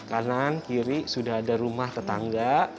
kanan kiri sudah ada rumah tetangga